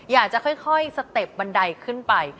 อยากจะค่อยสเต็ปบันไดขึ้นไป